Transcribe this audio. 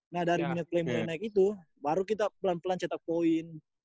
nah dari minute play naik itu baru kita pelan pelan cetak point